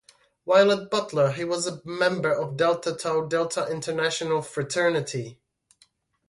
While at Butler he was a member of Delta Tau Delta International Fraternity.